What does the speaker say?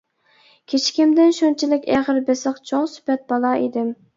كىچىكىمدىن شۇنچىلىك ئېغىر-بېسىق، چوڭ سۈپەت بالا ئىدىم.